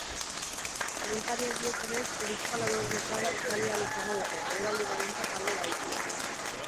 Agintariek diotenez, hiruzpalau egunetan itzali ahal izango dute, eguraldi-baldintzak alde badituzte.